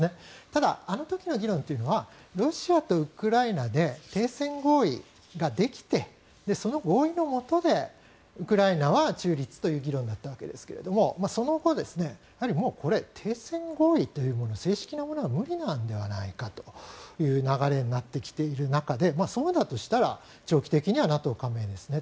ただ、あの時の議論というのはロシアとウクライナで停戦合意ができてその合意のもとでウクライナは中立という議論だったわけですがその後、もうこれ停戦合意というものは正式なものは無理なのではないかという流れになってきている中でそうだとしたら長期的にはＮＡＴＯ加盟ですね。